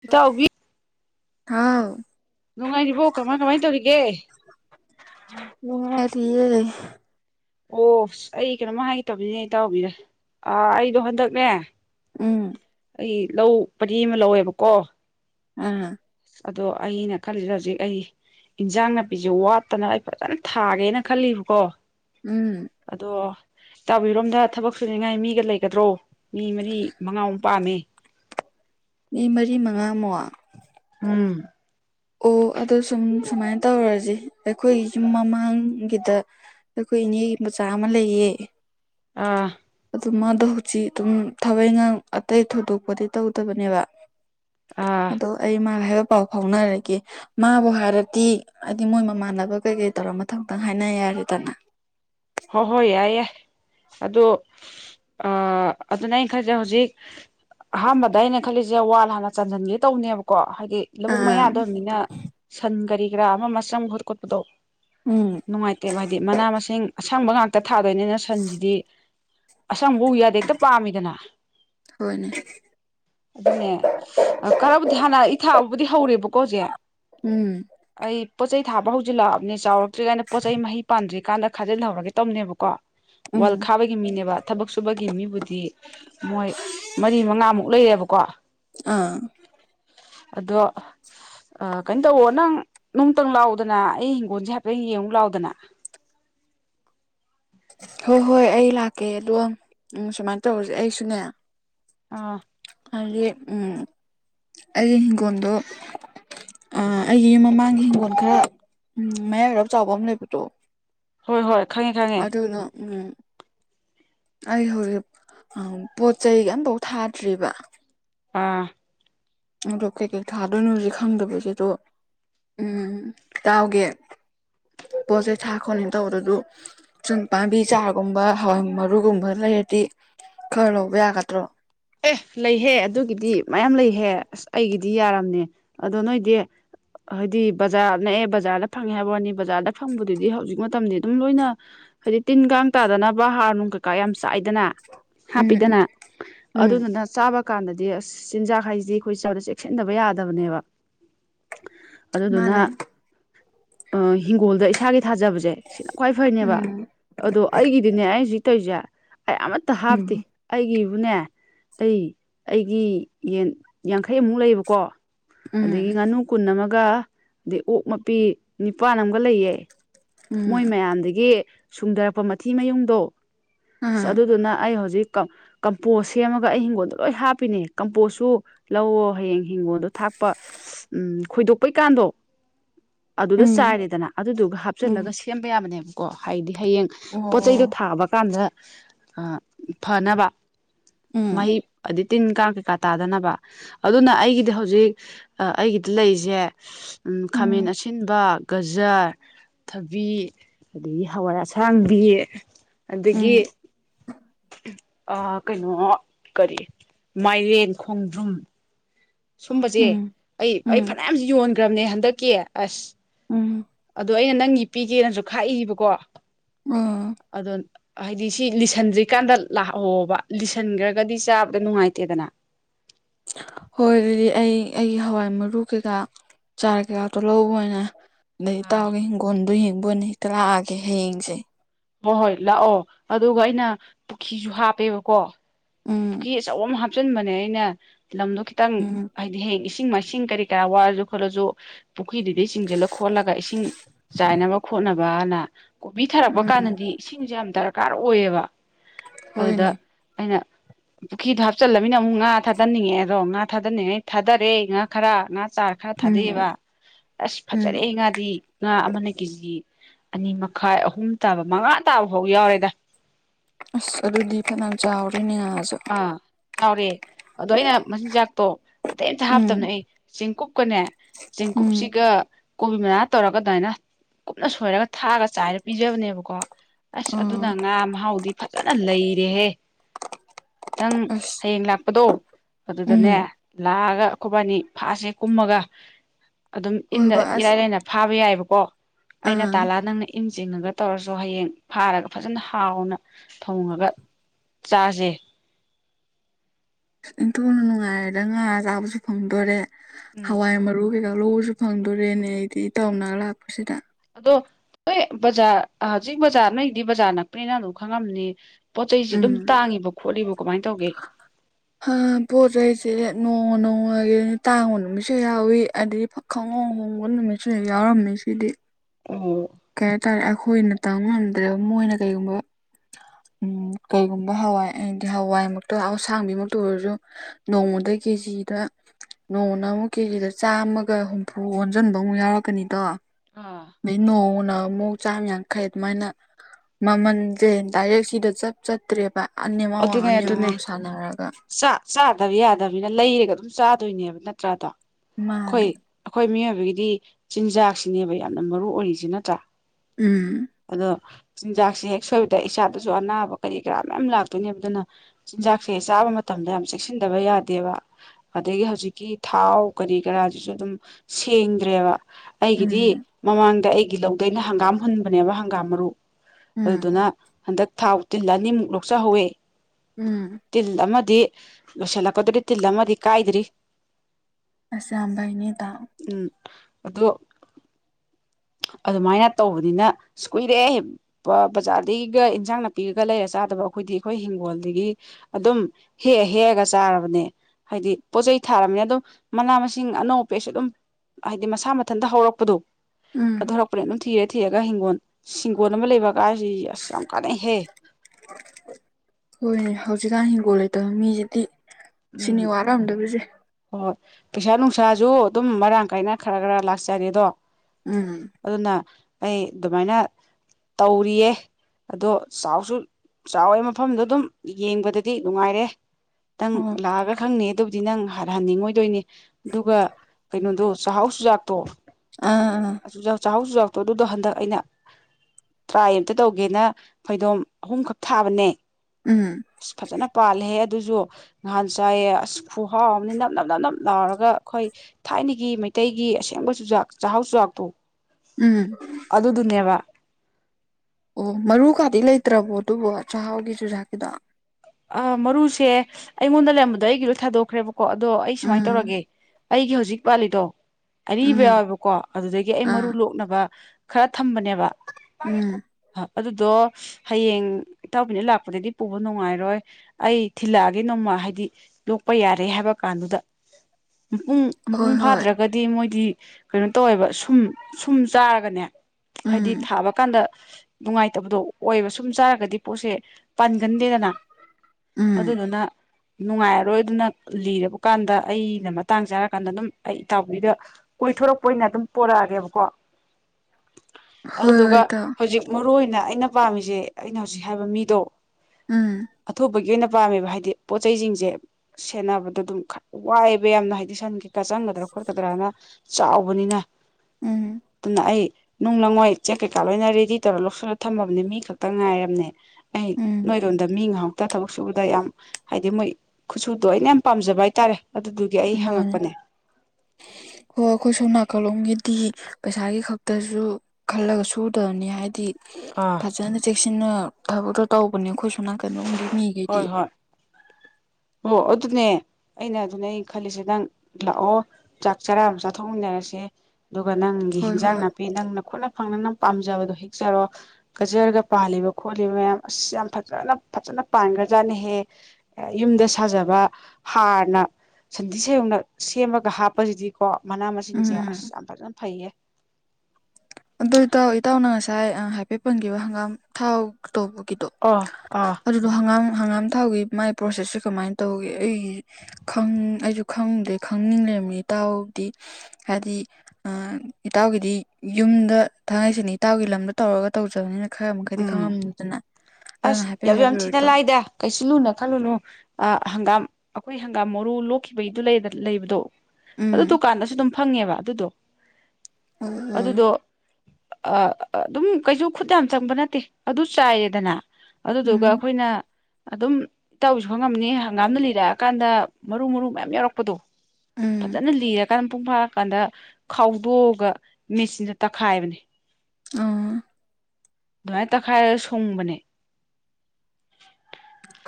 ꯏꯇꯥꯎꯕꯤ ꯍꯥꯎ ꯅꯨꯡꯉꯥꯏꯔꯤꯕꯣ ꯀꯝꯃꯥꯏ ꯀꯝꯃꯥꯏ ꯇꯧꯔꯤꯒꯦ ꯅꯨꯡꯉꯥꯏꯔꯤꯌꯦ ꯑꯣ ꯑꯩ ꯀꯩꯅꯣꯝꯃ ꯍꯥꯏꯒꯦ ꯇꯧꯕꯅꯤꯅꯦ ꯏꯇꯥꯎꯕꯤꯗ ꯑꯥ ꯑꯩꯗꯣ ꯍꯟꯗꯛꯅꯦ ꯎꯝ ꯑꯩ ꯂꯧ ꯄꯔꯤ ꯑꯃ ꯂꯧꯋꯦꯕꯀꯣ ꯑ ꯑꯗꯣ ꯑꯩꯅ ꯈꯜꯂꯤꯖꯤꯅ ꯍꯧꯖꯤꯛ ꯑꯩ ꯏꯟꯖꯥꯡ ꯅꯥꯄꯤꯖꯦ ꯋꯥꯠꯇꯅ ꯑꯩ ꯐꯖꯅ ꯊꯥꯒꯦꯅ ꯈꯜꯂꯤꯕꯀꯣ ꯎꯝ ꯑꯗꯣ ꯏꯇꯥꯎꯕꯤꯔꯣꯝꯗ ꯊꯕꯛ ꯁꯨꯅꯤꯡꯉꯥꯏ ꯃꯤꯒ ꯂꯩꯒꯗ꯭ꯔꯣ ꯃꯤ ꯃꯔꯤ ꯃꯉꯥꯃꯨꯛ ꯄꯥꯝꯃꯦ ꯃꯤ ꯃꯔꯤ ꯃꯉꯥ ꯃꯨꯛ ꯎꯝ ꯑꯣ ꯑꯗꯣ ꯁꯨꯝ ꯁꯨꯝꯃꯥꯏꯟ ꯇꯧꯔꯖꯦ ꯑꯩꯈꯣꯏꯒꯤ ꯌꯨꯝ ꯃꯃꯥꯡꯒꯤꯗ ꯑꯈꯣꯏ ꯏꯅꯦꯒꯤ ꯃꯆꯥ ꯑꯃ ꯂꯩꯌꯦ ꯑ ꯑꯗꯨ ꯃꯥꯗꯣ ꯍꯧꯖꯤꯛ ꯑꯗꯨꯝ ꯊꯕꯛ ꯏꯪꯒꯥꯡ ꯑꯇꯩ ꯊꯣꯏꯗꯣꯛꯄꯗꯤ ꯇꯧꯗꯕꯅꯦꯕ ꯑꯥ ꯑꯗꯣ ꯑꯩ ꯃꯥꯒ ꯍꯥꯏꯐꯦꯠ ꯄꯥꯎ ꯐꯥꯎꯅꯔꯒꯦ ꯃꯥꯕꯨ ꯍꯥꯏꯔꯗꯤ ꯍꯥꯏꯗꯤ ꯃꯣꯏ ꯃꯃꯥꯟꯅꯕ ꯀꯩꯀꯩ ꯇꯧꯔ ꯃꯊꯪ ꯃꯊꯪ ꯍꯥꯏꯅ ꯌꯥꯔꯦꯗꯅ ꯍꯣ ꯍꯣ ꯌꯥꯏꯌꯦ ꯑꯗꯣ ꯑꯥ ꯑꯗꯨꯅꯦ ꯑꯩꯅ ꯈꯜꯂꯤꯖꯦ ꯍꯧꯖꯤꯛ ꯑꯍꯥꯝꯕꯗ ꯑꯩꯅ ꯈꯜꯂꯤꯖꯦ ꯋꯥꯜ ꯍꯥꯟꯅ ꯆꯟꯖꯟꯒꯦ ꯇꯧꯅꯦꯕꯀꯣ ꯍꯥꯏꯗꯤ ꯂꯕꯨꯛ ꯑꯥ ꯃꯌꯥꯗ ꯑꯣꯏꯝꯅꯤꯅ ꯁꯟ ꯀꯔꯤ ꯀꯔꯥ ꯑꯃ ꯑꯃ ꯆꯪꯕ ꯈꯣꯠꯄꯗꯣ ꯎꯝ ꯅꯨꯡꯉꯥꯏꯇꯦꯕ ꯍꯥꯏꯗꯤ ꯃꯅꯥ ꯃꯁꯤꯡ ꯑꯁꯪꯕ ꯉꯥꯛꯇ ꯊꯥꯗꯣꯏꯅꯤꯅ ꯁꯟꯖꯤꯗꯤ ꯑꯁꯪꯕ ꯎ ꯌꯥꯗꯦ ꯍꯦꯛꯇ ꯄꯥꯝꯃꯤꯗꯅ ꯍꯣꯏꯅꯦ ꯑꯗꯨꯅꯦ ꯀꯔꯕꯨꯗꯤ ꯍꯥꯟꯅ ꯑꯩ ꯊꯥꯕꯕꯨꯗꯤ ꯍꯧꯔꯦꯕꯀꯣ ꯍꯧꯖꯤꯛ ꯎꯝ ꯑꯩ ꯄꯣꯠ ꯆꯩ ꯊꯥꯕ ꯍꯧꯖꯤꯜꯂꯛꯑꯝꯅꯦ ꯆꯥꯎꯔꯛꯇ꯭ꯔꯤ ꯉꯥꯏꯅ ꯄꯣꯠ ꯆꯩ ꯃꯍꯩ ꯄꯥꯟꯗ꯭ꯔꯤꯀꯥꯟꯗ ꯈꯥꯖꯤꯜꯍꯧꯔꯒꯦ ꯇꯧꯅꯦꯕꯀꯣ ꯎꯝ ꯋꯥꯜ ꯈꯥꯕ ꯒꯤ ꯃꯤꯅꯦꯕ ꯊꯕꯛ ꯁꯨꯕꯒꯤ ꯃꯤꯕꯨꯗꯤ ꯃꯣꯏ ꯃꯔꯤ ꯃꯉꯥꯃꯨꯛ ꯂꯩꯔꯦꯕꯀꯣ ꯑ ꯑꯗꯣ ꯑ ꯀꯩꯅꯣ ꯇꯧꯋꯣ ꯅꯪ ꯅꯣꯡꯇꯪ ꯂꯥꯛꯎꯗꯅ ꯑꯩ ꯍꯤꯡꯒꯣꯟꯖꯦ ꯍꯥꯏꯐꯦꯠ ꯌꯦꯡꯉꯨ ꯂꯥꯎꯗꯅ ꯍꯣ ꯍꯣꯏ ꯑꯩ ꯂꯥꯛꯀꯦ ꯑꯗꯣ ꯎꯝ ꯁꯨꯝꯃꯥꯏ ꯇꯧꯔꯖꯦ ꯑꯩꯁꯨꯅꯦ ꯑ ꯍꯥꯏꯗꯤ ꯎꯝ ꯑꯩꯒꯤ ꯍꯤꯡꯒꯣꯟꯗꯣ ꯑꯥ ꯑꯩꯒꯤ ꯌꯨꯝ ꯃꯃꯥꯡꯒꯤ ꯍꯤꯡꯒꯣꯜ ꯈꯔ ꯎꯝ ꯃꯌꯥꯏ ꯋꯥꯢꯔꯞ ꯆꯥꯎꯕ ꯑꯃ ꯂꯩꯕꯗꯣ ꯍꯣꯏ ꯍꯣꯏ ꯈꯪꯉꯦ ꯈꯪꯉꯦ ꯑꯗꯨꯗꯣ ꯎꯝ ꯑꯩ ꯍꯧꯖꯤꯛ ꯄꯣꯠ ꯆꯩꯩ ꯑꯝꯕꯧ ꯊꯥꯗ꯭ꯔꯤꯕ ꯑꯥ ꯑꯗꯣ ꯀꯩꯀꯩ ꯊꯥꯗꯣꯏꯅꯣ ꯍꯧꯖꯤꯛ ꯈꯪꯗꯕꯒꯤꯗꯣ ꯎꯝ ꯇꯥꯎꯒꯦ ꯄꯣꯠꯆꯩ ꯊꯥ ꯈꯣꯠꯂꯦꯝ ꯇꯧꯔꯖꯨ ꯁꯨꯝ ꯄꯥꯝꯕꯤ ꯆꯥꯔꯒꯨꯝꯕ ꯍꯋꯥꯏ ꯃꯔꯨꯒꯨꯝꯕ ꯂꯩꯔꯗꯤ ꯈꯔ ꯂꯧꯕ ꯌꯥꯒꯗ꯭ꯔꯣ ꯑꯦ ꯂꯩꯍꯦ ꯑꯗꯨꯒꯤꯗꯤ ꯃꯌꯥꯝ ꯂꯩꯍꯦ ꯑꯁ ꯑꯩꯒꯤꯗꯤ ꯌꯥꯔꯝꯃꯦ ꯑꯗꯣ ꯅꯣꯏꯗꯤ ꯍꯥꯏꯗꯤ ꯕꯖꯥꯔ ꯅꯛꯑꯦ ꯕꯖꯥꯔꯗ ꯐꯪꯉꯦ ꯍꯥꯏꯕ ꯋꯥꯅꯤ ꯕꯖꯥꯔꯗ ꯐꯪꯕꯗꯨꯗꯤ ꯍꯧꯖꯤꯛ ꯃꯇꯝꯗꯤ ꯑꯗꯨꯝ ꯂꯣꯏꯅ ꯍꯥꯏꯗꯤ ꯇꯤꯟ ꯀꯥꯡ ꯇꯥꯗꯅꯕ ꯍꯥꯔ ꯅꯨꯡ ꯀꯩꯀꯥ ꯌꯥꯝ ꯆꯥꯏꯗꯅ ꯎꯝ ꯍꯥꯞꯄꯤꯗꯅ ꯎꯝ ꯑꯗꯨꯗꯨꯅ ꯆꯥꯕ ꯀꯥꯟꯗꯗꯤ ꯑꯁ ꯆꯤꯟꯖꯥꯛ ꯍꯥꯏꯁꯤꯗꯤ ꯑꯩꯈꯣꯏ ꯆꯥꯕꯥꯗ ꯆꯦꯛꯁꯤꯟꯗꯕ ꯌꯥꯗꯕꯅꯦꯕ ꯑꯗꯨꯗꯨꯅ ꯃꯥꯅꯦ ꯍꯤꯡꯒꯣꯜꯗ ꯏꯁꯥꯒꯤ ꯊꯥꯖꯕꯁꯦ ꯁꯤꯅ ꯈ꯭ꯋꯥꯏ ꯐꯩꯅꯦꯕ ꯎꯝ ꯑꯗꯣ ꯑꯩꯒꯤꯗꯤꯅꯦ ꯑꯩ ꯍꯧꯖꯤꯛ ꯇꯧꯔꯤꯁꯦ ꯑꯩ ꯑꯃꯠꯇ ꯍꯥꯞꯇꯦ ꯎꯝ ꯑꯩꯒꯤꯕꯨꯅꯦ ꯑꯩ ꯑꯩꯒꯤ ꯌꯦꯟ ꯌꯥꯡꯈꯩꯃꯨꯛ ꯂꯩꯌꯦꯕꯀꯣ ꯎꯝ ꯑꯗꯩ ꯉꯥꯅꯨ ꯀꯨꯟ ꯑꯃꯒ ꯑꯗꯩ ꯑꯣꯛ ꯃꯄꯤ ꯅꯤꯄꯥꯟ ꯑꯃꯒ ꯂꯩꯌꯦ ꯎꯝ ꯃꯣꯏ ꯃꯌꯥꯝꯗꯒꯤ ꯁꯨꯡꯗꯔꯛꯄ ꯃꯊꯤ ꯃꯌꯨꯡꯗꯣ ꯑꯥ ꯑꯁ ꯑꯗꯨꯗꯨꯅ ꯑꯩ ꯍꯧꯖꯤꯛ ꯀꯝꯄꯣꯁ ꯁꯦꯝꯃꯒ ꯑꯩ ꯍꯤꯡꯒꯣꯟꯗ ꯂꯣꯏ ꯍꯥꯞꯄꯤꯅꯦ ꯀꯝꯄꯣꯁꯁꯨ ꯂꯧꯋꯣ ꯍꯌꯦꯡ ꯍꯤꯡꯒꯣꯜꯗꯣ ꯊꯥꯛꯄ ꯎꯝ ꯈꯣꯏꯗꯣꯛꯄꯩ ꯀꯥꯟꯗꯣ ꯑꯗꯨꯗ ꯎꯝ ꯆꯥꯏꯔꯦꯗꯅ ꯑꯗꯨꯗꯨꯒ ꯍꯥꯞꯆꯤꯜꯂꯒ ꯎꯝ ꯁꯦꯝꯕ ꯌꯥꯕꯅꯦꯕꯀꯣ ꯍꯥꯏꯗꯤ ꯍꯌꯦꯡ ꯄꯣꯠ ꯆꯩꯗꯣ ꯑꯣ ꯊꯥꯕ ꯀꯥꯟꯗ ꯑꯥ ꯐꯅꯕ ꯎꯝ ꯃꯍꯩ ꯑꯗꯩ ꯇꯤꯟ ꯀꯥꯡ ꯀꯩꯀꯥ ꯇꯥꯗꯅꯕ ꯑꯗꯨꯅ ꯑꯩꯒꯤꯗꯤ ꯍꯧꯖꯤꯛ ꯑꯥ ꯑꯩꯒꯤꯗꯤ ꯂꯩꯔꯤꯁꯦ ꯈꯥꯃꯦꯟ ꯎꯝ ꯑꯁꯤꯟꯕ ꯒꯖꯔ ꯊꯕꯤ ꯑꯗꯒꯤ ꯍꯋꯥꯏ ꯑꯁꯥꯡꯕꯤ ꯑꯗꯒꯤ ꯎꯝ ꯑꯥ ꯀꯩꯅꯣ ꯀꯔꯤ ꯃꯥꯏꯔꯦꯟ ꯈꯣꯡꯗ꯭ꯔꯨꯝ ꯁꯨꯝꯕꯖꯦ ꯎꯝ ꯑꯩ ꯑꯩ ꯎꯝ ꯐꯅꯌꯥꯝ ꯌꯣꯟꯒ꯭ꯔꯝꯅꯦ ꯍꯟꯗꯛꯀꯤ ꯑꯁ ꯎꯝ ꯑꯗꯣ ꯑꯩꯅ ꯅꯪꯒꯤ ꯄꯤꯒꯦꯅꯁꯨ ꯈꯥꯛꯏꯕꯀꯣ ꯎꯝ ꯑꯗꯨꯟ ꯍꯥꯏꯗꯤ ꯁꯤ ꯂꯤꯁꯟꯗ꯭ꯔꯤꯀꯥꯟꯗ ꯂꯥꯛꯍꯧꯋꯣꯕ ꯂꯤꯁꯟꯒ꯭ꯔꯒꯗꯤ ꯆꯥꯕꯗ ꯅꯨꯡꯉꯥꯏꯇꯦꯗꯅ ꯍꯣꯏ ꯑꯩ ꯑꯩ ꯍꯋꯥꯏ ꯃꯔꯨ ꯀꯩꯀꯥ ꯆꯥꯔ ꯀꯩꯀꯥ ꯇꯣ ꯂꯧꯕ ꯑꯣꯏꯅ ꯑꯗꯩ ꯑꯥ ꯏꯇꯥꯎꯒꯤ ꯍꯤꯡꯒꯣꯜꯗꯣ ꯌꯦꯡꯕ ꯑꯣꯢꯅ ꯍꯦꯛꯇ ꯂꯥꯛꯑꯒꯦ ꯍꯌꯦꯡꯁꯦ ꯍꯣꯏ ꯍꯣꯏ ꯂꯥꯛꯑꯣ ꯑꯗꯨꯒ ꯑꯩꯅ ꯄꯨꯈꯤꯖꯨ ꯍꯥꯞꯄꯦꯕꯀꯣ ꯎꯝ ꯈꯤ ꯑꯆꯧꯕ ꯑꯃ ꯍꯥꯞꯆꯤꯟꯕꯅꯦ ꯑꯩꯅ ꯂꯝꯗꯣ ꯈꯤꯇꯪ ꯎꯝ ꯍꯥꯏꯗꯤ ꯍꯌꯦꯡ ꯏꯁꯤꯡ ꯃꯥꯏꯁꯤꯡ ꯀꯔꯤ ꯀꯔꯥ ꯋꯥꯔꯖꯨ ꯈꯣꯠꯂꯁꯨ ꯄꯨꯈ꯭ꯔꯤꯗꯨꯗꯒꯤ ꯆꯤꯡꯖꯤꯜꯂ ꯈꯣꯠꯂꯒ ꯏꯁꯤꯡ ꯆꯥꯏꯅꯕ ꯈꯣꯠꯅꯕꯅ ꯀꯣꯕꯤ ꯊꯥꯔꯛꯄ ꯎꯝ ꯀꯥꯟꯗꯗꯤ ꯏꯁꯤꯡꯁꯦ ꯌꯥꯝ ꯗꯔꯀꯥꯔ ꯑꯣꯏꯌꯦꯕ ꯑꯗꯨꯗ ꯍꯣꯏꯅꯦ ꯑꯩꯅ ꯄꯨꯈ꯭ꯔꯤꯗ ꯍꯥꯞꯆꯜꯂꯕꯅꯤꯅ ꯑꯃꯨꯛ ꯉꯥ ꯊꯥꯗꯅꯤꯡꯉꯛꯑꯦꯗꯣ ꯉꯥ ꯊꯥꯗꯅꯤꯡꯉꯦ ꯊꯥꯗꯔꯦ ꯉꯥ ꯈꯔ ꯉꯥ ꯆꯥꯔ ꯈꯔ ꯎꯝ ꯊꯥꯗꯩꯑꯦꯕ ꯑꯁ ꯎꯝ ꯐꯖꯔꯦ ꯉꯥꯗꯤ ꯉꯥ ꯑꯃꯅ ꯀꯦꯖꯤ ꯑꯅꯤ ꯃꯈꯥꯏ ꯑꯍꯨꯝ ꯇꯥꯕ ꯃꯉꯥ ꯇꯥꯕ ꯐꯥꯎꯕ ꯌꯥꯎꯔꯦꯗ ꯑꯁ ꯑꯗꯨꯗꯤ ꯐꯅꯥꯝ ꯆꯥꯎꯔꯦꯅꯦ ꯉꯥꯁꯨ ꯆꯥꯎꯔꯦ ꯑꯗꯣ ꯑꯩꯅ ꯃꯆꯤꯟꯖꯥꯛꯇꯣ ꯑꯇꯩꯩ ꯑꯝꯇ ꯍꯥꯞꯇꯕꯅꯦ ꯎꯝ ꯑꯩ ꯆꯦꯡꯀꯨꯞꯀꯅꯦ ꯎꯝ ꯆꯦꯡꯀꯨꯞꯁꯤꯒ ꯀꯣꯕꯤ ꯃꯅꯥ ꯇꯧꯔꯒ ꯑꯗꯨꯃꯥꯏꯅ ꯀꯨꯞꯅ ꯁꯣꯏꯔꯒ ꯊꯥꯛꯑꯒ ꯆꯥꯏꯔ ꯄꯤꯖꯕꯅꯦꯕꯀꯣ ꯑꯁ ꯑꯥ ꯑꯗꯨꯅ ꯉꯥ ꯃꯍꯥꯎꯗꯤ ꯐꯖꯅ ꯂꯩꯔꯦꯍꯦ ꯈꯤꯇꯪ ꯑꯁ ꯍꯌꯦꯡ ꯂꯥꯛꯄꯗꯣ ꯑꯗꯨꯗꯅꯦ ꯎꯝ ꯂꯥꯛꯑꯒ ꯑꯩꯈꯣꯏꯕꯥꯅꯤ ꯐꯥꯁꯦ ꯀꯨꯝꯃꯒ ꯑꯗꯨꯝ ꯍꯣꯏ ꯏꯟꯗ ꯍꯣꯏ ꯏꯔꯥꯏ ꯑꯁ ꯂꯥꯏꯅ ꯐꯥꯕ ꯌꯥꯏꯌꯦꯕꯀꯣ ꯑꯩꯅ ꯑꯥ ꯇꯥꯥꯜꯂꯒ ꯅꯪꯅ ꯏꯟ ꯆꯤꯡꯉꯒ ꯇꯧꯔꯁꯨ ꯍꯌꯦꯡ ꯐꯥꯔꯒ ꯐꯖꯅ ꯍꯥꯎꯅ ꯊꯣꯡꯉꯒ ꯆꯥꯖꯦ ꯏꯟꯊꯣꯛꯅ ꯅꯨꯡꯉꯥꯏꯔꯦꯗ ꯉꯥ ꯆꯥꯕꯁꯨ ꯐꯪꯗꯣꯔꯦ ꯎꯝ ꯍꯋꯥꯏ ꯃꯔꯨ ꯀꯩꯀꯥ ꯂꯧꯕꯁꯨ ꯐꯪꯗꯣꯔꯦꯅꯦ ꯑꯩꯗꯤ ꯏꯇꯥꯎ ꯃꯅꯥꯛ ꯂꯥꯛꯄꯁꯤꯗ ꯑꯗꯣ ꯍꯣꯏ ꯕꯖꯥꯔ ꯍꯧꯖꯤꯛ ꯕꯖꯥꯔ ꯅꯣꯏꯗꯤ ꯕꯖꯥꯔ ꯅꯛꯄꯅꯤꯅ ꯑꯗꯨꯝ ꯈꯪꯉꯝꯅꯤ ꯄꯣꯠ ꯆꯩꯁꯤ ꯑꯗꯨꯝ ꯎꯝ ꯇꯥꯡꯉꯤꯕꯣ ꯈꯣꯠꯂꯤꯕꯣ ꯀꯃꯥꯏ ꯇꯧꯒꯦ ꯍꯥ ꯄꯣꯠ ꯆꯩꯁꯦ ꯅꯣꯡꯃ ꯅꯣꯡꯃꯒꯤ ꯇꯥꯡꯕ ꯅꯨꯃꯤꯠꯁꯨ ꯌꯥꯎꯋꯤ ꯑꯗꯒꯤ ꯈꯪꯍꯣꯡ ꯍꯣꯡꯕ ꯅꯨꯃꯤꯠꯁꯨ ꯍꯦꯛ ꯌꯥꯎꯔꯝꯃꯤ ꯁꯤꯗꯤ ꯑꯣ ꯀꯩꯅꯣ ꯇꯧꯔꯦ ꯑꯩꯈꯣꯏꯅ ꯇꯝꯕ ꯉꯝꯗ꯭ꯔꯦ ꯃꯣꯏꯅ ꯀꯩꯒꯨꯝꯕ ꯎꯝ ꯀꯩꯒꯨꯝꯕ ꯍꯋꯥꯏ ꯑꯦꯗꯤ ꯍꯋꯥꯏ ꯃꯨꯛꯇ ꯑꯥ ꯑꯁꯥꯡꯕꯤꯃꯨꯛꯇ ꯑꯣꯏꯔꯖꯨ ꯅꯣꯡꯃꯗ ꯀꯦꯖꯤꯗ ꯅꯣꯡꯃꯥꯅ ꯑꯃꯨꯛ ꯀꯦꯖꯤꯗ ꯆꯥꯝꯃꯒ ꯍꯨꯝꯐꯨ ꯑꯣꯟꯖꯟꯕ ꯃꯨꯛ ꯌꯥꯎꯔꯛꯀꯅꯤꯗꯣ ꯑꯥ ꯃꯤ ꯅꯣꯡꯃ ꯅꯥ ꯑꯃꯨꯛ ꯆꯥꯝ ꯌꯥꯡꯈꯩ ꯑꯗꯨꯃꯥꯏꯅ ꯃꯃꯟꯖꯦ ꯗꯥꯏꯔꯦꯛ ꯁꯤꯗ ꯆꯞ ꯆꯠꯇ꯭ꯔꯦꯕ ꯑꯅꯦꯝ ꯑꯋꯥꯡ ꯑꯗꯨꯅꯦ ꯑꯅꯦꯝ ꯑꯗꯨꯅꯦ ꯑꯋꯥꯡ ꯁꯥꯟꯅꯔꯒ ꯆꯥ ꯆꯥꯗꯕ ꯌꯥꯗꯝꯅꯤꯅ ꯂꯩꯔꯒ ꯑꯗꯨꯝ ꯆꯥꯗꯣꯏꯅꯦꯕ ꯅꯠꯇ꯭ꯔꯥꯗꯣ ꯃꯥꯥꯅꯦ ꯑꯩꯈꯣꯏ ꯑꯩꯈꯣꯏ ꯃꯤꯑꯣꯏꯕꯒꯤꯗꯤ ꯆꯤꯟꯖꯥꯛꯁꯤꯅꯦꯕ ꯌꯥꯝꯅ ꯃꯔꯨ ꯑꯣꯏꯔꯤꯖꯤ ꯅꯠꯇ꯭ꯔꯥ ꯎꯝ ꯑꯗꯣ ꯆꯤꯟꯖꯥꯛꯁꯤ ꯍꯦꯛ ꯁꯣꯏꯕꯗ ꯏꯆꯥꯗꯁꯨ ꯑꯅꯥꯕ ꯀꯔꯤ ꯀꯔꯥ ꯃꯌꯥꯝ ꯂꯥꯛ ꯇꯣꯏꯅꯦꯕ ꯑꯗꯨꯅ ꯆꯤꯟꯖꯥꯛꯁꯦ ꯆꯥꯕ ꯃꯇꯝꯗ ꯌꯥꯝ ꯆꯦꯛꯁꯤꯟꯗꯕ ꯌꯥꯗꯦꯕ ꯑꯗꯒꯤ ꯍꯧꯖꯤꯛꯀꯤ ꯊꯥꯎ ꯀꯔꯤ ꯀꯔꯥꯖꯤꯖꯨ ꯑꯗꯨꯝ ꯁꯦꯡꯗ꯭ꯔꯦꯕ ꯑꯩꯒꯤꯗꯤ ꯎꯝ ꯃꯃꯥꯡꯗ ꯑꯩꯒꯤ ꯂꯧꯗ ꯑꯩꯅ ꯍꯪꯒꯥꯝ ꯍꯨꯟꯕꯅꯦꯕ ꯍꯪꯒꯥꯝ ꯃꯔꯨ ꯎꯝ ꯑꯗꯨꯗꯨꯅ ꯍꯟꯗꯛ ꯊꯥꯎ ꯇꯤꯜ ꯑꯅꯤꯃꯨꯛ ꯂꯣꯛꯆꯍꯧꯋꯦ ꯎꯝ ꯇꯤꯜ ꯑꯃꯥꯗꯤ ꯂꯣꯏꯁꯜꯂꯛꯀꯗꯣꯔꯦ ꯇꯤꯜ ꯑꯃꯥꯗꯤ ꯀꯥꯏꯗ꯭ꯔꯤ ꯑꯁ ꯌꯥꯝ ꯐꯩꯅꯦ ꯢꯇꯥ ꯎꯝ ꯑꯗꯣ ꯑꯗꯨꯃꯥꯏꯅ ꯇꯧꯕꯅꯤꯅ ꯑꯁ ꯀꯨꯏꯔꯦꯍꯦ ꯄ ꯕꯖꯥꯔꯗꯒꯤꯒ ꯏꯟꯖꯥꯡ ꯅꯥꯄꯤꯒꯥꯒ ꯂꯩꯔ ꯆꯥꯗꯕ ꯑꯩꯈꯣꯏꯗꯤ ꯑꯩꯈꯣꯏ ꯍꯤꯡꯒꯣꯜꯗꯒꯤ ꯑꯗꯨꯝ ꯍꯦꯛꯑ ꯍꯦꯛꯑꯒ ꯆꯥꯔꯕꯅꯦ ꯍꯥꯏꯗꯤ ꯄꯣꯠ ꯆꯩꯩ ꯊꯥꯔꯝꯃꯦ ꯑꯗꯣ ꯃꯅꯥ ꯃꯁꯤꯡ ꯑꯅꯧ ꯄꯦꯁ ꯁꯨ ꯑꯗꯨꯝ ꯍꯥꯏꯗꯤ ꯃꯁꯥ ꯃꯊꯟꯇ ꯍꯧꯔꯛꯄꯗꯣ ꯑꯗꯣ ꯎꯝ ꯍꯧꯔꯛꯄꯗꯩ ꯑꯗꯨꯝ ꯊꯤꯔ ꯊꯤꯔꯒ ꯍꯤꯡꯒꯣꯟ ꯍꯤꯡꯒꯣꯟ ꯑꯃ ꯂꯩꯕ ꯀꯥꯏꯁꯤ ꯑꯁ ꯌꯥꯝ ꯀꯥꯟꯅꯩꯍꯦ ꯍꯣꯏꯅꯦ ꯍꯧꯖꯤꯛꯀꯥꯟ ꯍꯤꯡꯒꯣꯜ ꯂꯩꯇꯕ ꯃꯤꯖꯤꯗꯤ ꯁꯤꯅꯤ ꯋꯥ ꯔꯝꯗꯧꯕꯖꯦ ꯍꯣ ꯍꯣꯏ ꯄꯩꯁꯥ ꯅꯨꯡꯁꯥꯖꯨ ꯑꯗꯨꯝ ꯃꯔꯥꯡ ꯀꯥꯏꯅ ꯈꯔ ꯈꯔ ꯂꯥꯛꯆꯔꯦꯗꯣ ꯎꯝ ꯑꯗꯨꯅ ꯑꯩ ꯗꯨꯃꯥꯏꯅ ꯇꯧꯔꯤꯌꯦ ꯑꯗꯣ ꯆꯥꯎꯁꯨ ꯆꯥꯎꯋꯦ ꯃꯐꯝꯗꯣ ꯑꯗꯨꯝ ꯌꯦꯡꯕꯗꯗꯤ ꯅꯨꯡꯉꯥꯏꯔꯦ ꯇꯪ ꯑꯣ ꯂꯥꯛꯑꯒ ꯈꯪꯅꯤ ꯑꯗꯨꯕꯨꯗꯤ ꯅꯪ ꯍꯟꯅꯤꯡꯉꯣꯏꯗꯣꯏꯅꯦ ꯑꯗꯨꯒ ꯀꯩꯅꯣꯗꯣ ꯆꯥꯍꯥꯎ ꯆꯨꯖꯥꯛꯇꯣ ꯑꯥ ꯑꯥ ꯆꯨꯖꯥꯛ ꯆꯍꯥꯎ ꯆꯨꯖꯥꯛꯇꯣ ꯑꯗꯨꯗꯣ ꯍꯟꯗꯛ ꯑꯩꯅ ꯇ꯭ꯔꯥꯏ ꯑꯝꯇ ꯇꯧꯒꯦꯅ ꯐꯩꯗꯣꯝ ꯑꯍꯨꯝ ꯈꯛ ꯊꯥꯕꯅꯦ ꯎꯝ ꯑꯁ ꯐꯖꯅ ꯄꯥꯜꯂꯦꯍꯪ ꯑꯗꯨꯖꯨ ꯅꯍꯥꯟ ꯆꯥꯏꯌꯦ ꯑꯁ ꯈꯨꯍꯥꯎꯑꯝ ꯅꯤ ꯅꯞ ꯅꯞ ꯅꯞꯅꯞ ꯂꯥꯎꯔꯒ ꯑꯩꯈꯣꯏ ꯊꯥꯏꯅꯒꯤ ꯃꯩꯇꯩꯒꯤ ꯑꯁꯦꯡꯕ ꯆꯨꯖꯥꯛ ꯆꯥꯍꯥꯎ ꯆꯨꯖꯥꯛꯇꯣ ꯎꯝ ꯑꯗꯨꯗꯨꯅꯦꯕ ꯑꯣ ꯃꯔꯨ ꯀꯥꯗꯤ ꯂꯩꯇ꯭ꯔꯕꯣ ꯑꯗꯨꯕꯣ ꯆꯥꯍꯥꯎꯒꯤ ꯆꯨꯖꯥꯛꯀꯤꯗꯣ ꯑꯥ ꯃꯔꯨꯁꯦ ꯑꯩꯉꯣꯟꯗ ꯂꯩꯔꯝꯕꯗꯣ ꯑꯩꯒꯤ ꯂꯣꯏ ꯊꯥꯗꯣꯛꯈ꯭ꯔꯦꯕꯀꯣ ꯑꯗꯣ ꯑꯩ ꯁꯨꯃꯥꯏ ꯎꯝ ꯇꯧꯔꯒꯦ ꯑꯩꯒꯤ ꯍꯧꯖꯤꯛ ꯄꯥꯜꯂꯤꯗꯣ ꯑꯔꯤꯕ ꯎꯝ ꯌꯥꯎꯋꯦꯕ ꯀꯣ ꯑꯗꯨꯗꯒꯤ ꯑꯩ ꯃꯔꯨ ꯑꯥ ꯂꯣꯛꯅꯕ ꯈꯔ ꯊꯝꯕꯅꯦꯕ ꯎꯝ ꯍꯥ ꯑꯗꯨꯗꯣ ꯍꯌꯦꯡ ꯏꯇꯥꯎꯕꯤꯅ ꯂꯥꯛꯄꯗꯗꯤ ꯄꯨꯕ ꯅꯨꯡꯉꯥꯏꯔꯣꯏ ꯑꯩ ꯊꯤꯜꯂꯛꯑꯒꯦ ꯅꯣꯡꯃꯥ ꯍꯥꯏꯗꯤ ꯂꯣꯛꯄ ꯌꯥꯔꯦ ꯍꯥꯏꯕ ꯀꯥꯟꯗꯨꯗꯨ ꯄꯨ ꯃꯄꯨꯝ ꯍꯣꯏ ꯍꯣꯏ ꯐꯥꯗ꯭ꯔꯒꯗꯤ ꯃꯣꯏꯗꯤ ꯀꯩꯅꯣ ꯇꯧꯋꯦꯕ ꯁꯨꯝ ꯁꯨꯝ ꯆꯥꯔꯒꯅꯦ ꯍꯥꯏꯗꯤ ꯎꯝ ꯊꯥꯕ ꯀꯥꯟꯗ ꯅꯨꯡꯉꯥꯏꯇꯕꯗꯣ ꯑꯣꯏꯕ ꯁꯨꯝ ꯆꯥꯔꯒꯗꯤ ꯄꯣꯠꯁꯦ ꯄꯥꯟꯒꯟꯗꯦꯗꯅ ꯎꯝ ꯑꯗꯨꯗꯨꯅ ꯅꯨꯡꯉꯥꯏꯔꯔꯣꯏ ꯑꯗꯨꯅ ꯂꯤꯔꯕ ꯀꯥꯟꯗ ꯑꯩꯅ ꯃꯇꯥꯡ ꯆꯥꯔꯀꯥꯟꯗ ꯑꯗꯨꯝ ꯑꯩ ꯇꯥꯎꯕꯤꯗ ꯀꯣꯏꯊꯣꯔꯛꯄ ꯑꯣꯏꯅ ꯑꯗꯨꯝ ꯄꯣꯔꯛ ꯑꯒꯦꯕꯀꯣ ꯍꯣꯏ ꯍꯣꯏ ꯑꯗꯨꯗꯨꯒ ꯏꯇꯥꯎ ꯍꯧꯖꯤꯛ ꯃꯔꯨ ꯑꯣꯏꯅ ꯑꯩꯅ ꯄꯥꯝꯃꯤꯁꯦ ꯑꯩꯅ ꯍꯧꯖꯤꯛ ꯍꯥꯏꯕ ꯃꯤꯗꯣ ꯎꯝ ꯑꯊꯨꯕꯥꯒꯤ ꯑꯣꯏꯅ ꯄꯥꯝꯃꯦꯕ ꯍꯥꯏꯗꯤ ꯄꯣꯠꯆꯩ ꯁꯤꯡꯁꯦ ꯁꯦꯟꯅꯕꯗ ꯑꯗꯨꯝ ꯈꯔ ꯋꯥꯏꯑꯕ ꯌꯥꯝꯅ ꯍꯥꯏꯗꯤ ꯁꯟ ꯀꯩꯀ ꯆꯪꯒꯗ꯭ꯔꯥ ꯈꯣꯠꯀꯗ꯭ꯔꯅ ꯆꯥꯎꯕꯅꯤꯅ ꯎꯝ ꯑꯗꯨꯅ ꯑꯩ ꯅꯨꯡ ꯂꯪꯉꯣꯏ ꯆꯦꯛ ꯀꯩꯀꯥ ꯂꯣꯏꯅ ꯔꯦꯗꯤ ꯇꯧꯔ ꯂꯧꯁꯤꯜꯂ ꯊꯝꯃꯕꯅꯦ ꯃꯤ ꯈꯛꯇ ꯉꯥꯏꯔꯕꯅꯦ ꯑꯩ ꯎꯝ ꯅꯣꯏꯔꯣꯝꯗ ꯃꯤ ꯉꯍꯥ ꯇ ꯊꯕꯛ ꯁꯨꯕꯗ ꯌꯥꯝ ꯍꯥꯏꯗꯤ ꯃꯣꯏ ꯈꯨꯠꯁꯨꯗꯣ ꯑꯩꯅ ꯌꯥꯝ ꯄꯥꯝꯖꯕ ꯍꯥꯏꯇꯥꯔꯦ ꯑꯗꯨꯗꯨ ꯃꯅꯦ [unintelligible] ꯍꯣ ꯑꯩꯈꯣꯏꯁꯣꯝ ꯅꯥꯀꯥꯟ ꯂꯣꯝꯒꯤꯗꯤ ꯄꯩꯁꯥꯒꯤ ꯈꯛꯇꯁꯨ ꯈꯜꯂꯒ ꯁꯨꯗꯕꯅꯤ ꯍꯥꯏꯗꯤ ꯑꯥ ꯐꯖꯅ ꯆꯦꯛꯁꯤꯟꯅ ꯊꯕꯛꯇꯣ ꯇꯧꯕꯅꯦ ꯑꯩꯈꯣꯏ ꯁꯣꯝ ꯅꯥꯀꯟꯗꯣꯝꯒꯤ ꯃꯤꯒꯩꯗꯤ ꯑꯣ ꯑꯗꯨꯅꯦ ꯑꯩꯅ ꯑꯗꯨꯅꯦ ꯈꯜꯂꯤꯁꯦ ꯅꯪ ꯂꯥꯛꯑꯣ ꯆꯥꯛ ꯆꯔꯥ ꯑꯃ ꯆꯥꯊꯣꯛ ꯃꯤꯟꯅꯔꯁꯦ ꯑꯗꯨꯒ ꯅꯪꯒꯤ ꯍꯣꯏ ꯍꯤꯟꯖꯥꯡ ꯍꯣꯏ ꯅꯥ ꯄꯤ ꯅꯪꯅ ꯈꯨꯠꯅ ꯐꯪꯅ ꯅꯪꯅ ꯄꯥꯝꯖꯕꯗꯣ ꯍꯦꯛꯆꯔꯣ ꯒꯖꯔꯒ ꯄꯥꯜꯂꯤꯕ ꯈꯣꯠꯂꯤꯕ ꯃꯌꯥꯝ ꯑꯁ ꯌꯥꯝ ꯐꯖꯅ ꯐꯖꯅ ꯄꯥꯟꯒ꯭ꯔ ꯖꯥꯠꯅꯤꯍꯦ ꯑꯥ ꯌꯨꯝꯗ ꯁꯥꯖꯕ ꯍꯥꯔꯅ ꯁꯟꯊꯤ ꯁꯟꯌꯨꯡꯅ ꯁꯦꯝꯃꯒ ꯍꯥꯞꯄꯁꯤꯗꯤꯀꯣ ꯃꯅꯥ ꯃꯁꯤꯡꯁꯦ ꯎꯝ ꯑꯁ ꯌꯥꯝ ꯐꯖꯅ ꯐꯩꯍꯦ ꯑꯗꯣ ꯏꯇꯥꯎ ꯏꯇꯥꯎꯅ ꯉꯁꯥꯏ ꯑꯥ ꯍꯥꯏꯐꯦꯠ ꯄꯟꯈꯤꯕ ꯍꯪꯒꯥꯝ ꯊꯥꯎ ꯇꯧꯕꯒꯤꯗꯣ ꯑꯣ ꯑꯥ ꯑꯗꯨꯗꯣ ꯍꯪꯉꯥꯝ ꯍꯪꯉꯥꯝ ꯊꯥꯎꯒꯤ ꯃꯥꯥꯏ ꯄ꯭ꯔꯣꯁꯦꯁꯁꯦ ꯀꯃꯥꯏꯅ ꯇꯧꯒꯦ ꯑꯩꯒꯤꯖꯤ ꯈꯪ ꯑꯩꯁꯨ ꯈꯪꯗꯦ ꯈꯪꯅꯤꯡ ꯂꯩꯔꯝꯃꯤ ꯢꯇꯥꯎꯗꯤ ꯍꯥꯏꯗꯤ ꯑ ꯏꯇꯥꯎꯒꯤꯗꯤ ꯌꯨꯝꯗ ꯊꯥꯡꯉꯩꯁꯦꯡꯅ ꯏꯇꯥꯎꯒꯤ ꯂꯝꯗ ꯇꯧꯔꯒ ꯇꯧꯖꯕꯅꯤꯅ ꯈꯔ ꯃꯈꯩꯗꯤ ꯎꯝ ꯈꯪꯉꯝꯅꯤꯗꯅ ꯑꯁ ꯑꯗꯨꯅ ꯍꯥꯏꯐꯦꯠ ꯌꯥꯕ ꯌꯥꯝ ꯍꯥꯏꯕꯤꯔꯛꯑꯣ ꯊꯤꯅ ꯏꯇꯥꯎ ꯂꯥꯏꯗ ꯀꯩꯁꯨ ꯂꯨꯅ ꯈꯜꯂꯨꯅꯨ ꯑꯥ ꯍꯪꯒꯥꯝ ꯑꯈꯣꯏ ꯍꯪꯒꯥꯝ ꯃꯔꯨ ꯂꯣꯛꯈꯤꯕꯒꯤꯗꯨ ꯂꯩꯌꯦꯗ ꯂꯩꯕꯗꯣ ꯑꯗꯨ ꯎꯝ ꯗꯨꯀꯥꯟꯗꯁꯨ ꯑꯗꯨꯝ ꯐꯪꯉꯦꯕ ꯑꯗꯨꯗꯣ ꯎꯝ ꯎꯝ ꯑꯗꯨꯗꯣ ꯑ ꯑ ꯑꯗꯨꯝ ꯀꯩꯁꯨ ꯈꯨꯠ ꯌꯥꯝ ꯆꯪꯕ ꯅꯠꯇꯦ ꯑꯗꯨ ꯆꯥꯏꯔꯦꯗꯅ ꯑꯗꯨꯗꯨꯒ ꯎꯝ ꯑꯩꯈꯣꯏꯅ ꯑꯗꯨꯝ ꯏꯇꯥꯎꯕꯤꯁꯨ ꯈꯪꯉꯝꯅꯤ ꯍꯪꯒꯥꯝꯅ ꯂꯤꯔꯛꯑ ꯀꯥꯟꯗ ꯃꯔꯨ ꯃꯔꯨ ꯃꯌꯥꯝ ꯌꯥꯎꯔꯛꯄꯗꯣ ꯎꯝ ꯐꯖꯅ ꯂꯤꯔꯛ ꯀꯥꯟ ꯃꯄꯨꯡ ꯐꯥꯔꯛꯀꯥꯟꯗ ꯈꯥꯎꯗꯣꯛꯑꯒ ꯃꯦꯆꯤꯟꯗ ꯇꯛꯈꯥꯏꯕꯅꯦ ꯑ ꯑꯗꯨꯃꯥꯏꯅ ꯇꯛꯈꯥꯏꯔꯒ ꯁꯨꯡꯕꯅꯦ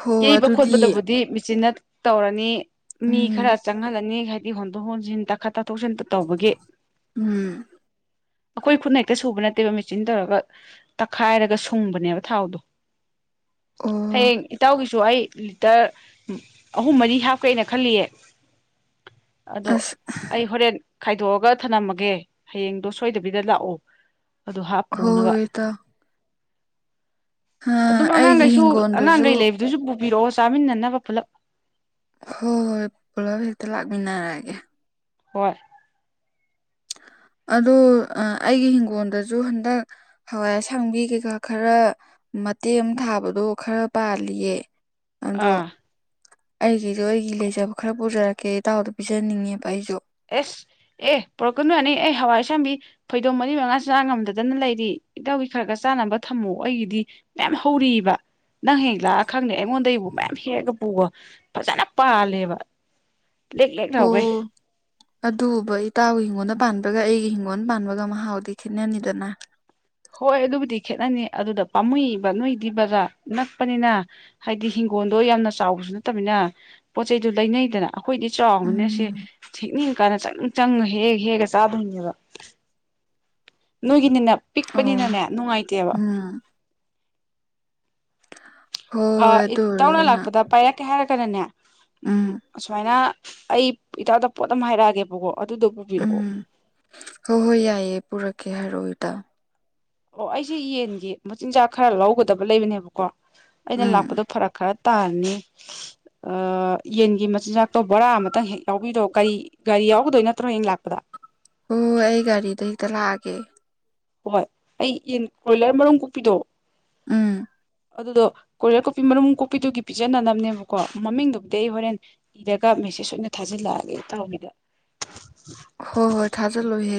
ꯍꯣ ꯌꯩꯕ ꯑꯗꯨꯗꯤ ꯈꯣꯠꯄꯗꯕꯨꯗꯤ ꯃꯦꯆꯤꯟꯅ ꯇꯧꯔꯅꯤ ꯃꯤ ꯈꯔ ꯎꯝ ꯆꯪꯍꯜꯂꯅꯤ ꯍꯥꯏꯗꯤ ꯍꯣꯟꯗꯣꯛ ꯍꯣꯟꯖꯤꯟ ꯇꯥꯈꯠ ꯇꯥꯊꯣꯛꯁꯤꯟ ꯇ ꯇꯧꯕꯒꯤ ꯎꯝ ꯑꯩꯈꯣꯏ ꯈꯨꯠꯅ ꯍꯦꯛꯇ ꯁꯨꯕ ꯅꯠꯇꯦꯕ ꯃꯦꯆꯤꯟ ꯇꯧꯔꯒ ꯇꯛꯈꯥꯏꯔꯒ ꯁꯨꯡꯕꯅꯦꯕ ꯊꯥꯎꯗꯣ ꯑꯣ ꯍꯌꯦꯡ ꯏꯇꯥꯎꯒꯤꯁꯨ ꯑꯩ ꯂꯤꯇꯔ ꯑꯍꯨꯝ ꯃꯔꯤ ꯍꯥꯞꯀꯦꯅ ꯈꯜꯂꯤꯌꯦ ꯑꯗꯣ ꯑꯁ ꯑꯩ ꯍꯣꯔꯦꯟ ꯈꯥꯏꯗꯣꯛꯑꯒ ꯊꯝꯅꯝꯃꯒꯦ ꯍꯌꯦꯡꯗꯣ ꯁꯣꯏꯗꯕꯤꯗ ꯂꯥꯛꯑꯣ ꯑꯗꯨ ꯍꯥꯞꯄꯨꯅꯕ ꯍꯣꯏ ꯍꯥ ꯑꯩꯒꯤ ꯍꯤꯡꯒꯣꯟꯗꯖꯨ ꯃꯤꯗꯨꯁꯨ ꯄꯨꯕꯤꯔꯛꯑꯣ ꯆꯥꯃꯤꯟꯅꯅꯕ ꯄꯨꯂꯞ ꯍꯣꯏ ꯍꯣꯏ ꯄꯨꯂꯞ ꯍꯦꯛꯇ ꯂꯥꯛꯃꯤꯟꯅꯔꯒꯦ ꯍꯣꯏ ꯑꯗꯣ ꯑꯥ ꯑꯩꯒꯤ ꯍꯤꯡꯒꯣꯜꯗꯁꯨ ꯍꯟꯗꯛ ꯍꯋꯥꯏ ꯑꯁꯥꯡꯕꯤ ꯀꯩꯀꯥ ꯈꯔ ꯃꯇꯦꯛ ꯑꯃ ꯊꯥꯕꯗꯣ ꯈꯔ ꯄꯥꯜꯂꯤꯌꯦ ꯑꯗꯣ ꯑꯥ ꯑꯩꯒꯤꯁꯨ ꯑꯩꯒꯤ ꯂꯩꯖꯕ ꯈꯔ ꯄꯨꯖꯔꯛꯀꯦ ꯏꯇꯥꯎꯗ ꯄꯤꯖꯅꯤꯡꯉꯦꯕ ꯑꯩꯁꯨ ꯑꯦꯁ ꯑꯦ ꯄꯨꯔꯛꯀꯅꯨ ꯌꯥꯅꯤ ꯑꯩ ꯍꯋꯥꯏ ꯑꯁꯥꯡꯕꯤ ꯐꯩꯗꯣꯝ ꯃꯔꯤ ꯃꯉꯥ ꯆꯥ ꯉꯝꯗꯗꯅ ꯂꯩꯔꯤ ꯏꯇꯥꯎꯕꯤ ꯈꯔ ꯈꯔ ꯆꯥꯅꯕ ꯊꯝꯃꯣ ꯑꯩꯒꯤꯗꯤ ꯃꯌꯥꯝ ꯍꯧꯔꯤꯕ ꯅꯪ ꯍꯌꯦꯡ ꯂꯥꯛꯑ ꯈꯪꯅꯤ ꯑꯩꯉꯣꯟꯗꯩꯕꯨ ꯃꯌꯥꯝ ꯍꯦꯛꯑꯒ ꯄꯨꯒꯣ ꯐꯖꯅ ꯄꯥꯜꯂꯦꯕ ꯂꯦꯛ ꯂꯦꯛ ꯂꯥꯎꯒꯩ ꯑꯣ ꯑꯗꯨꯕꯣꯕ ꯏꯇꯥꯎꯒꯤ ꯍꯤꯡꯒꯣꯜꯗ ꯄꯥꯟꯕꯒ ꯑꯩꯒꯤ ꯍꯤꯡꯒꯣꯜꯗ ꯄꯥꯟꯕꯒ ꯃꯍꯥꯎꯗꯤ ꯈꯦꯠꯅꯅꯤꯗꯅ ꯍꯣꯏ ꯑꯗꯨꯕꯨꯗꯤ ꯈꯦꯠꯅꯅꯤ ꯑꯗꯨꯗ ꯄꯥꯝꯃꯨꯏꯕ ꯅꯣꯏꯒꯤꯗꯤ ꯕꯖꯥꯔ ꯅꯛꯄꯅꯤꯅ ꯍꯥꯏꯗꯤ ꯍꯤꯡꯒꯣꯜꯗꯣ ꯌꯥꯝꯅ ꯆꯥꯎꯕꯁꯨ ꯅꯠꯇꯕꯅ ꯄꯣꯠ ꯆꯩꯗꯣ ꯂꯩꯅꯩꯗꯅ ꯑꯩꯈꯣꯏꯗꯤ ꯆꯥꯎꯕꯅꯦ ꯁꯦ ꯎꯝ ꯍꯦꯛꯅꯤꯡ ꯀꯥꯟꯗ ꯆꯪ ꯆꯪꯉꯥ ꯍꯦꯛ ꯍꯦꯛꯑꯒ ꯆꯥꯗꯣꯏꯅꯦꯕ ꯅꯣꯏꯒꯤꯅꯤꯅ ꯑꯣ ꯄꯤꯛꯄꯅꯤꯅꯅꯦ ꯅꯨꯡꯉꯥꯏꯇꯦꯕ ꯎꯝ ꯍꯣꯏ ꯍꯣꯏ ꯑꯥ ꯑꯗꯨ ꯏꯇꯥꯎꯅ ꯑꯣꯏꯔꯒꯅ ꯂꯥꯛꯄꯗ ꯄꯥꯏꯔꯛꯀꯦ ꯍꯥꯏꯔꯒꯅꯅꯦ ꯎꯝ ꯑꯁꯨꯃꯥꯏꯅ ꯑꯩ ꯏꯇꯥꯎꯗ ꯄꯣꯠ ꯑꯃ ꯍꯥꯏꯔꯛꯑꯒꯦꯕꯀꯣ ꯑꯗꯨꯗꯣ ꯄꯨꯕꯤꯔꯛꯑꯣ ꯎꯝ ꯍꯣꯏ ꯍꯣꯏ ꯌꯥꯏꯌꯦ ꯄꯨꯔꯛꯀꯦ ꯍꯥꯏꯔꯛꯑꯣ ꯏꯇꯥ ꯑꯣ ꯑꯩꯁꯦ ꯌꯦꯟꯒꯤ ꯃꯆꯤꯟꯖꯥꯛ ꯈꯔ ꯂꯧꯒꯗꯕ ꯂꯩꯕꯅꯦꯕꯀꯣ ꯑꯩꯅ ꯎꯝ ꯂꯥꯛꯄꯗꯣ ꯐꯔꯛ ꯈꯔ ꯇꯥꯔꯅꯤ ꯑꯥ ꯌꯦꯟꯒꯤ ꯃꯆꯤꯟꯖꯥꯛꯇꯣ ꯕꯣꯔꯥ ꯑꯃꯇꯪ ꯍꯦꯛ ꯌꯥꯎꯕꯤꯔꯛꯑꯣ ꯀꯔꯤ ꯒꯥꯔꯤ ꯌꯥꯎꯒꯗꯣꯏ ꯅꯠꯇ꯭ꯔꯣ ꯍꯌꯦꯡ ꯂꯥꯛꯄꯗ ꯍꯣꯏ ꯍꯣꯏ ꯑꯩ ꯒꯥꯔꯤꯗ ꯍꯦꯛꯇ ꯂꯥꯛꯑꯒꯦ ꯍꯣꯏ ꯑꯩ ꯌꯦꯟ ꯀ꯭ꯔꯣꯏꯂꯔ ꯃꯔꯨꯝ ꯀꯨꯛꯄꯤꯗꯣ ꯎꯝ ꯑꯗꯨꯗꯣ ꯀꯣꯢꯂꯔ ꯀꯣꯛꯄꯤ ꯃꯔꯨꯝ ꯀꯣꯛꯄꯤꯗꯨꯒꯤ ꯄꯤꯖꯅꯅꯕꯅꯦꯕꯀꯣ ꯃꯃꯤꯡꯗꯨꯕꯨꯗꯤ ꯑꯩ ꯍꯣꯔꯦꯟ ꯏꯔꯒ ꯃꯦꯁꯦꯁ ꯑꯣꯏꯅ ꯊꯥꯖꯤꯜꯂꯛꯑꯒꯦ ꯢꯇꯥꯎꯕꯤꯗ ꯍꯣꯢ ꯍꯣꯏ ꯊꯥꯖꯜ ꯂꯣ ꯍꯦꯛ